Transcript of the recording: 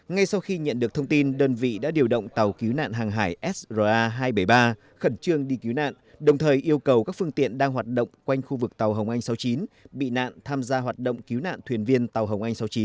ngay sau khi nhận được thông tin đơn vị đã điều động tàu cứu nạn hàng hải sra hai trăm bảy mươi ba khẩn trương đi cứu nạn đồng thời yêu cầu các phương tiện đang hoạt động quanh khu vực tàu hồng anh sáu mươi chín bị nạn tham gia hoạt động cứu nạn thuyền viên tàu hồng anh sáu mươi chín